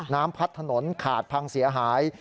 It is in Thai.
น้ำพัดถนนขาดพังเสียหาย